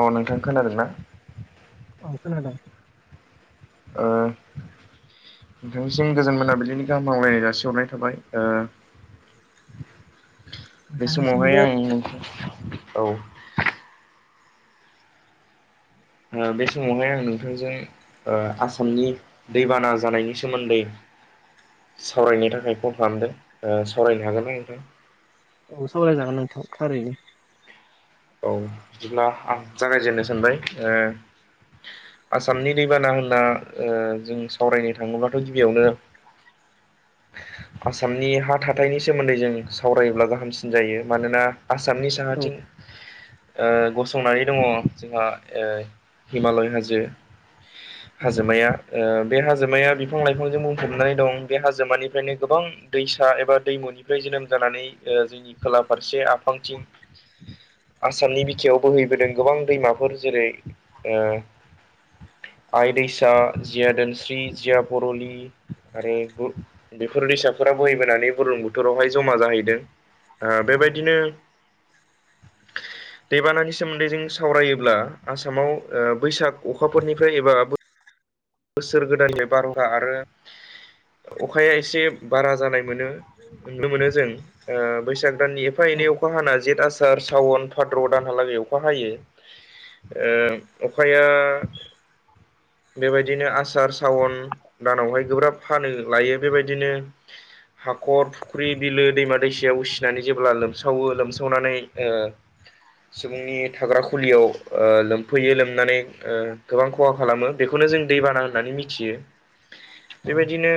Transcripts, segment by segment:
औ नोंथां खोनादोंना औ खोनादों ओ नोंथांनिसिम गोजोन मोनाबिलिनि गाहामलायनाय जासिहरनाय थाबाय [inaudible] बे समावहाय नोंथांनिसिमबो आं औ बे समावहाय आं नोंथांजों ओ आसामनि दैबाना जानायनि सोमोन्दै सावरायनो थाखाय फन खालामदों ओ सावरायनो हागोनना नोंथां औ सावरायजागोन नोंथां थारैनो औ बिदिब्ला आं जागायजेननो सानबाय ओ आसामनि दैबाना होनना ओ जों सावरायनो थाङोबाथ' गिबियावनो [inaudible] आसामनि हा थाथायनि सोमोन्दै जों सावरायोब्ला गाहामसिन जायो मानोना आसामनि औ साहाथिं ओ गसंनानै दङ जोंहा ओ हिमालय हाजो [inaudible] हाजोमाया ओ बे हाजोमाया बिफां लाइफांजों बुंफबनानै दं बे हाजोमानिफ्रायनो गोबां दैसा एबा दैमुनिफ्राय जोनोम जानानै ओ जोंनि खोला फारसे आफांथिं [inaudible] आसामनि बिखायाव बोहैबोदों गोबां दैमाफोर जेरै ओ आइ दैसा जिया दोनस्रि जिया बरलि आरो बेफोर दैसाफोरा बोहैबोनानै बुरलुंबुथुरावहाय जमा जाहैदों ओ बेबायदिनो दैबानानि सोमोन्दै जों सावरायोब्ला आसामाव ओ बैसाग अखाफोरनिफ्राय एबा बोसोर गोदाननिफ्राय बारहुंखा आरो अखाया एसे बारा जानाय मोनो नुनो मोनो जों ओ बैसाग दाननि एफा औ एनै अखा हाना जेत आसार सावन फाद्र' दानहालागै अखा हायो ओ अखाया बेबाय दिनो आसार सावन दानावहाय गोब्राब हानो लायो बेबायदिनो हाखर फुख्रि बिलो दैमा दैसायाव उसिनानै जेब्ला लोमसावो लोमसावनानै ओ सुबुंनि थाग्रा खुलियाव ओ लोमफैयो लोमनानै गोबां खहा खालामो बेखौनो जों दैबाना होननानै मिथियो औ बेबायदिनो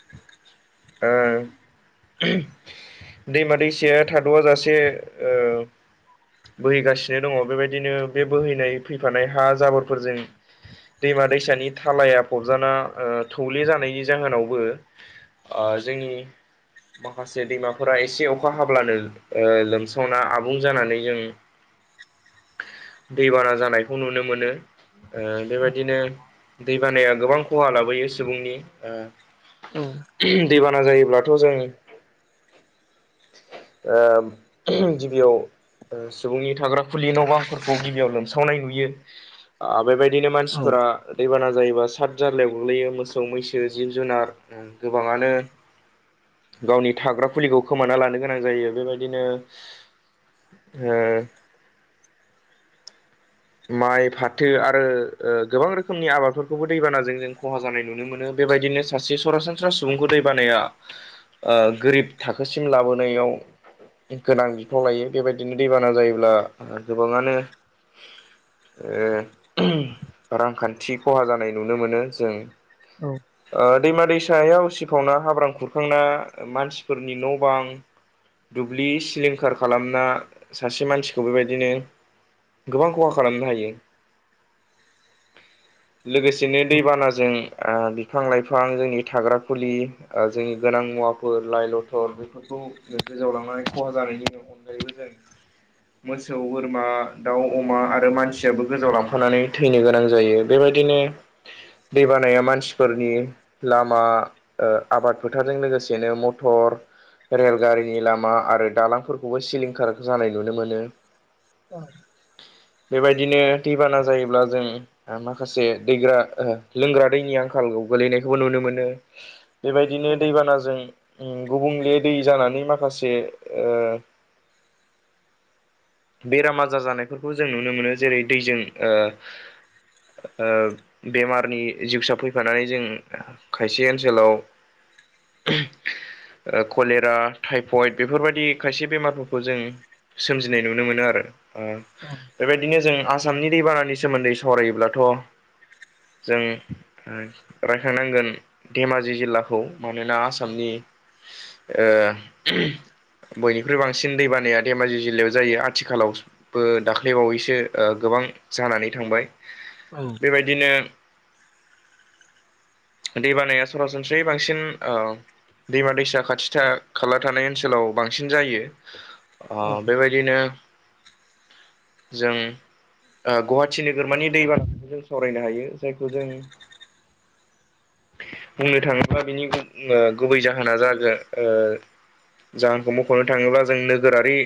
आ दैमा दैसाया थाद'आ जासे ओ बोहैगासिनो दङ बेबायदिनो बे बोहैनाय फैफानाय हा जाबोरफोरजों दैमा दैसानि थालाया फबजाना ओ थौले जानायनि जाहोनावबो ओ जोंनि माखासे दैमाफोरा एसे अखा हाब्लानो ओ लोमसावना आबुं जानानै जों दैबाना जानायखौ नुनो मोनो ओ बेबाय दिनो दैबानाया गोबां खहा लाबोयो सुबुंनि ओ औ दैबाना जायोब्लाथ' जों ओ गिबियाव सुबुंनि थाग्रा खुलि न' बांफोरखौ गिबियाव लोमसावनाय नुयो आ बेबायदिनो मानसि औ फोर दैबाना जायोबा साद जार्लायाव गोग्लैयो मोसौ मैसो जिब जुनार गोबाङानो गावनि थाग्रा फुलिखौ खोमाना लानो गोनां जायो बेबायदिनो ओ माइ फाथो आरो ओ गोबां रोखोमनि आबादफोरखौबो दैबानाजों जों खहा जानाय नुनो मोनो बेबायदिनो सासे सरासनस्रा सुबुंखौ दै बानाया ओ गोरिब थाखोसिम लाबोनायाव गोनां बिफाव लायो बेबायदिनो दैबाना जायोब्ला गोबाङानो ओ रांखान्थि खहा जानाय नुनो मोनो जों औ ओ दैमा दैसायाव उसिफावना हाब्रां खुरखांना मानसिफोरनि न' बां दुब्लि सिलिंखार खालामना सासे मानसिखौ बेबायदिनो गोबां खहा खालामनो हायो। [inaudible] लोगोसेनो दैबानाजों ओ बिफां लाइफां जोंनि थाग्रा खुलि ओ जोंनि गोनां मुवाफोर लाइ लथर बेफोरखौ गोजावलांनानै खहा जानायनि उनाव अनगायैबो जों मोसौ बोरमा दाउ अमा आरो मानसियाबो गोजाव लांफानानै थैनो गोनां जायो बेबायदिनो दै बानाया मानसिफोरनि लामा ओ आबाद फोथारजों लोगोसेनो मटर रेलगारिनि लामा आरो दालांफोरखौबो सिलिंखार जानाय नुनो मोनो। औ बेबायदिनो दैबाना जायोब्ला जों माखासे दैग्रा लोंग्रा दैनि आंखालखौ गोलैनायखौबो नुनो मोनो। बेबायदिनो दैबानाजों गुबुंले दै जानानै माखासे ओ बेराम आजार जानायफोरखौ जों नुनो मोनो जेरै दैजों ओ ओ बेमारनि जिउसा फैफानानै जों। खायसे ओनसोलाव [inaudible] ओ कलेरा थटाइफयड बेफोरबायदि खायसे बेमारफोरखौ जों सोमजिनो गिनाय नुनो मोनो आरो ओ औ बेबायदिनो जों आसामनि दैबानानि सोमोनदै सावरायोब्लाथ' जों रायखांनांगोन धेमाजि जिल्लाखौ मानोना आसामनि ओ बयनिख्रुइ बांसिन दैबानाया धेमाजि जिल्लायाव जायो आथिखालावबो दाख्लैबावैसो ओ गोबां जानानै थांबाय बेबायदिनो दैबानाया सरासनस्रायै बांसिन ओ दैमा दैसा खाथि खाला थानाय ओनसोलाव बांसिन जायो। ओ बेबायदिनो जों ओ गहावाटि नोगोरमानि दैबानाखौनो जों सावरायनो हायो जायखौ जों बुंनो थाङोबा बिनि गुबै जाहोना जागोन। जाहोनखौ मख'नो थाङोब्ला जों नोगोरारि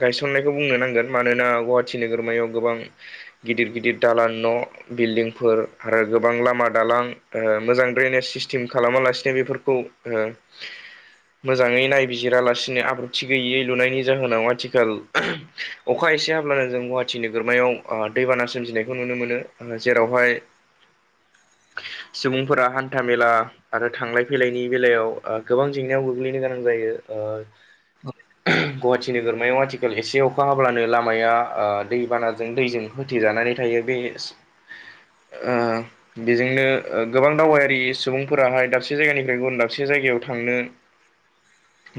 गायसननायखौ बुंनो नांगोन मानोना गुवाहाटि नोगोरमायाव गोबां गिदिर गिदिर दालाल न'। बिल्डिंफोर आरो गोबां लामा दालां ओ मोजां ड्रेनेज सिस्टेम खालामालासिनो बेफोरखौ खौ ओ [inaudible] मोजाङै नायबिजिरालासिनो आब्रुथि गैयै लुनायनि जाहोनाव आ थिखाल [unintelligible] अखा एसे हाब्लानो जों गुवाहाटटि नोगोरमायाव ओ दैबाना सोमजिनायखौ नुनो मोनो जेरावहाय [inaudible] सुबुंफोरा हानथा मेला आरो थांलाय फैलायनि बेलायाव ओ गोबां जेंनायाव गोग्लैनो गोनां जायो। ओ औ [unintelligible] गुवाहाटी नोगोर मायाव आथिखाल एसे अखा हाब्लानो लामाया ओ दैबानाजों दैजों होथिजानानै थायो बे [inaudible] ओ बेजोंनो ओ गोबां दावबायारि सुबुंफोराहाय दाबसे जायगानिफ्राय गुबुन दाबसे जायगायाव थांनो [inaudible]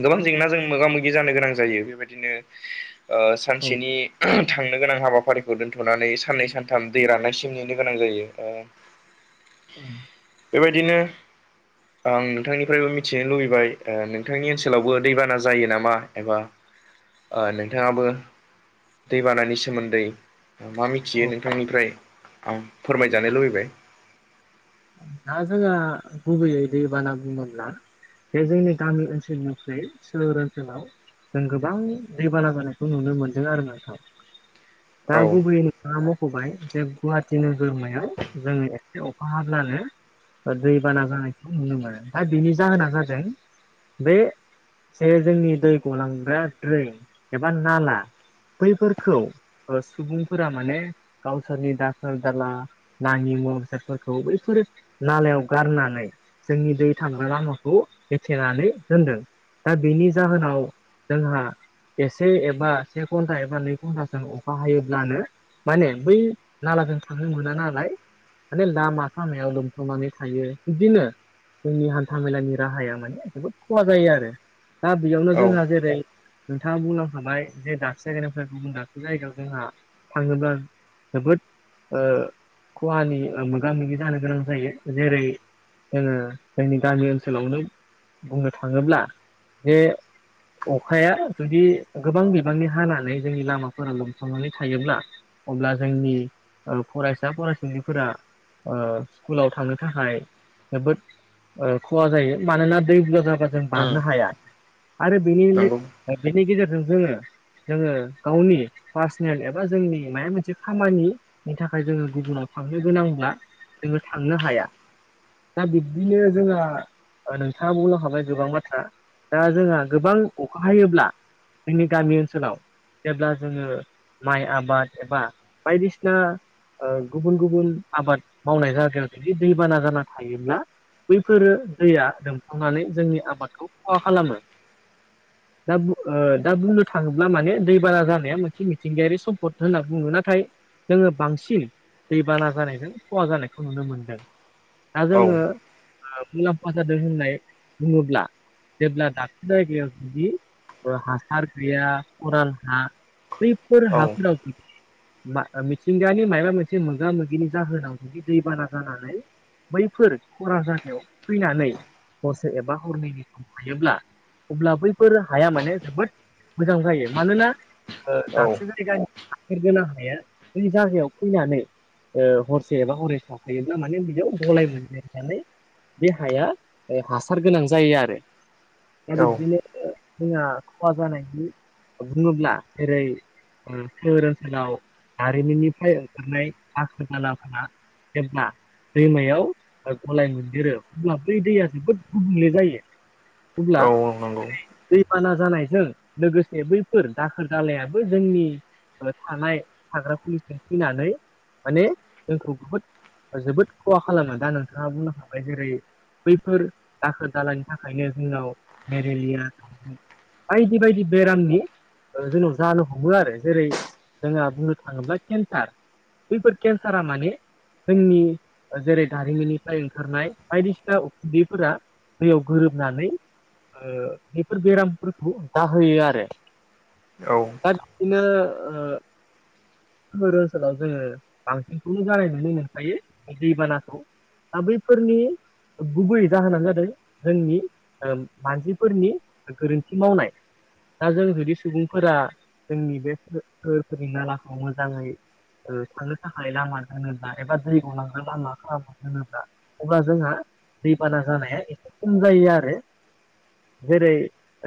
गोबां जेंनाजों मोगा मोगि जानो गोनां जायो बेबायदिनो ओ औ सानसेनि थांनो गोनां हाबाफारिखौ दोन्थ'नानै साननै सानथाम दै राननायसिम नेनो गोनां जायो ओ [inaudible] बेबायदिनो आं नोंथांनिफ्रायबो मिथिनो लुबैबाय ओ नोंथांनि ओनसोलावबो दैबाना जायो नामा एबा ओ नोंथाङाबो दैबानानि सोमोनदै मा औ मिथियो नोंथांनिफ्राय आं फोरमायजानो लुबैबाय दा जोंहा गुबैयै दैबाना बुङोब्ला बे जोंनि गामि ओनसोलनिफ्राय सोहोर ओनसोलाव जों गोबां दैबाना जानायखौ नुनो मोनदों आरो नोंथां दा औ गुबैयै नोंथाङा मख'बाय जे गुवाहाटी नोगोरमायाव जोङो एसे अखा हाब्लानो दैबाना जानायखौ नुनो मोनो दा बेनि जाहोना जादों बे जे जोंनि दै गलांग्रा द्रेन एबा नाला बैफोरखौ ओ सुबुंफोरा माने गावसोरनि दाखोर दाला नाङि मुवा बेसादफोरखौ बैफोरो नालायाव गारनानै जोंनि दै थांग्रा लामाखौ होेथेनानै दोनदों दा बेनि जाहोनाव जोंहा एसे एबा से घन्टा एबा नै घन्टासों अखा हायोब्लानो माने बै नालाजों थांनो मोना नालाय माने लामा सामायाव लोम सावनानै थायो बिदिनो जोंनि हान्था मेलानि राहाया माने जोबोद खहा जायो आरो दा बेयावनो औ जोंहा जेरै नोंथाङा बुंलांखाबाय जे दाबसे जायगानिफ्राय गुबुन दाबसे जायगायाव जोंहा थाङोब्ला जोबोद ओ खहानि मोगा मोगि जानो गोनां जायो जेरै जोङो जोंनि गामि ओनसोलावनो बुंनो थाङोब्ला बे अखाया जुदि गोबां बिबांनि हानानै जोंनि लामाफोरा लोमसावनानै थायोब्ला अब्ला जोंनि फरायसा फरायसुलिफोरा ओ स्कुलाव थांनो थाखाय जोबोद ओ खहा जायो मानोना दै बुरजा जाबा जों उम बारनो हाया आरो बेनिनो नंगौ बेनि गेजेरजों जोङो जोङो गावनि पार्सनेल एबा जोंनि मायबा मोनसे खामानि नि थाखाय जोङो गुबुनाव थांनो गोनांब्ला जोङो थांनो हाया दा बिब्दिनो जोंहा नोंथाङा बुंलांखाबाय गोबां बाथ्रा दा जोंहा गोबां अखा हायोब्ला जोंनि गामि ओनसोलाव जेब्ला जोङो माइ आबाद एबा बायदिसिना ओ गुबुन गुबुन आबाद मावनाय जायगाया जुदि दैबाना जाना थायोब्ला बैफोरो दैया लोमसावनानै जोंनि आबादखौ खहा खालामो दा बु ओ दा बुंनो थाङोब्ला माने दै बाना जानाया मोनसे मिथिंगायारि सम्पद होनना बुङो नाथाय जोङो बांसिन दैबाना जानायजों खहा जानायखौ नुनो मोनदों दा औ जोङो ओ मुलाम्फा जादों होननाय बुङोब्ला जेब्ला दाबसे जायगायाव जुदि हासार गैया खरान हा बैफोर औ हाफोराव [unintelligible] मिथिंगानि मायबा मोनसे मोगा मोगिनि जाहोनाव बिदि दै बाना जानानै बैफोर खरा जागायाव फैनानै हरसे एबा हरनैनि हायोब्ला अब्ला बैफोर हाया माने जोबोद मोजां जायो मानोना ओ औ दाबसे जायगानि हासार गोनां हाया बै जायगायाव फैनानै ओ हर से एबा हरनै थाफैयोब्ला माने बेजों गलाय मोनदेर जानानै बे हाया हासार गोनां जायो आरो दा औ बिब्दिनो जोंहा खहा जानायनि बुङोब्ला जेरै सोहोर ओनसोलाव दारिमिननिफ्राय ओंखारनाय दाखोर दाला फोरा‌ जोंहा दैमायाव गलाय मोनदेरो अब्ला बै दैया जोबोद गुबुंले जायो अब्ला औ नंगौ दैबाना जानायजों लोगोसे बैफोर दाखोर दालायाबो जोंनि थानाय थाग्रा खुलिसिम फैनानै माने जोंखौ बुहुद जोबोद खहा खालामो दा नोंथाङा बुंलांबाय जेरै बैफोर दाखोर दालानि थाखायनो जोंनाव मेरेलिया बायदि बायदि बेरामनि जोंनाव जानो हमो आरो जेरै जोंहा बुंनो थाङोब्ला केन्सार बैफोर केन सारा मानि जोंनि जेरै दारिमिननिफ्राय ओंखारनाय बायदिसिना उखुन्दैफोरा दैयाव गोरोबनानै बेफोर बेरामफोरखौ जाहोयो आरो औ दा बिदिनो सोहोर ओसोलाव जोङो बांसिनखौनो जानाय नुनो मोनखायो दैबानाखौ दा बैफोरनि ओ गुबैयै जाहोना जादों जोंनि ओ मानसिफोरनि गोरोन्थि मावनाय दा जों जुदि सुबुंफोरा जोंनि बे सो सोरफोरनि नालाखौ मोजाङै ओ थानो थाखाय लामा दोनोब्ला एबा दै गलांग्रा लामा खालामना दोनोब्ला अब्ला जोंहा दैबाना जानाया एसे खम जायो आरो जेरै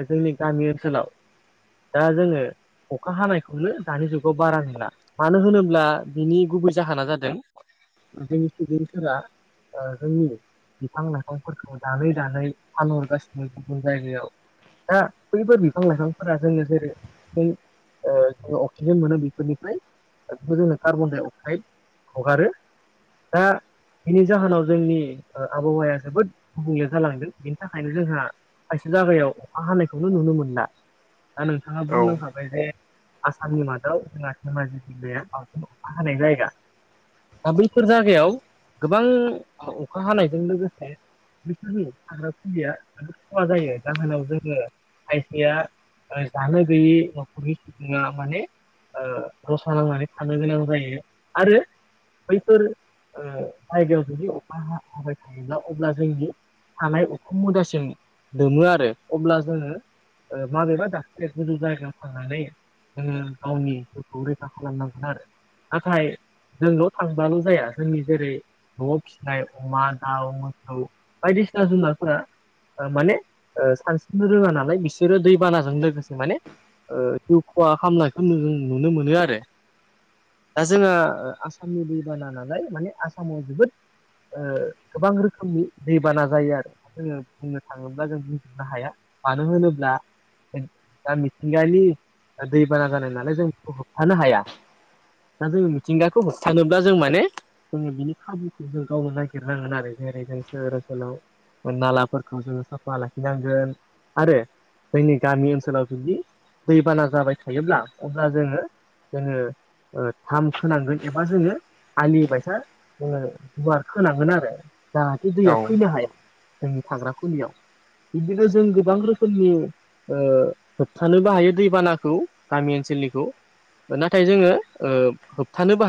ओ जोंनि गामि ओनसोलाव दा जोङो अखा हानायखौनो दानि जुगाव बारा नुला मानो होनोब्ला बिनि गुबै जाहोना जादों जोंनि सुबुंफोरा ओ जोंनि बिफां लाइफांफोरखौ दानै दानै फानहरगासिनो गुबुन जायगायाव दा बैफोर बिफां लाइफांफोरा जोनो जेरै [unintelligible] ओ जोङो अक्सिजेन मोनो बेफोरनिफ्राय ओ बिखौ जोङो कार्बनडाइ अक्साइड हगारो दा बिनि जाहोनाव जोंनि ओ आबहावाया जोबोद गुबुंले जालांदों बेनि थाखायनो जोंहा खायसे जागायाव अखा हानायखौनो नुनो मोन दा नों थाङा औ बुंलां खाबाय जे आसामनि मादाव जोंहा धेमाजि जिल्लाया बांसिनै अखा हानाय जायगा दा बैफोर जायगायाव गोबां अखा हानायजों लोगोसे बेसोरनी थाग्रा खुलिया जोबोद खहा जायो जाहोनाव जोङो खायसेया ओ जानो गैयि न'खरनि सुबुङा माने ओ रसा नांनानै थानो गोनां जायो आरो बैफोर ओ जायगायाव जुदि अखा हा-हाबाय थायोब्ला अब्ला जोंनि थानाय उखुम मुदासिम लोमो आरो अब्ला जोङो ओ माबेबा दाबसे गोजौ जायगायाव थांनानै जोङो गावनि जिउखौ रैखा खालामनांगोन आरो नाथाय जोंल थांबाल जाया जोंनि जेरै न'आव फिनाय अमा दाउ मोसौ बायदिसिना जुनारफोरा ओ माने सानस्रिनो रोङा नालाय बिसोरो दैबानाजों लोगोसे माने ओ जिउ खहा खामनायखौ जों नुनो मोनो आरो दा जोङो आसामनि दैबाना नालाय माने आसामाव जोबोद ओ गोबां रोखोमनि दैबाना जायो आरो जोङो बुंनो थाङो ब्ला जों बुंनो हाया मानो होनोब्ला दा मिथिंगानि ओ दैबाना जानाय नालाय जों बेखौ होबथानो हाया दा जोङो मिथिंगाखौ होबथानोब्ला जों माने जोङो बिनि खाबुखौ जों गावनो नागिरनांगोन आरो जेरै जों सोहोर ओनसोलाव बा नालाफोरखौ जोङो साफा लाखिनांगोन आरो जोंनि गामि ओनसोलाव जुदि दैबाना जाबाय थायोब्ला अब्ला जोङो जोङो ओ धाम खोनांगोन एबा जोङो आलि बायसा जोङो गुवार खोनांगोन आरो। जाहाथे दैया औ फैनो हाया जोंनि थाग्रा खुलियाव बिदिनो जों गोबां रोखोमनि ओ होबथानोबो हायो दैबानाखौ गामि ओनसोलनिखौ नाथाय जोङो ओ होबथानोबो